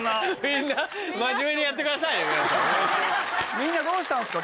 みんなどうしたんですか？